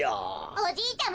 おじいちゃま。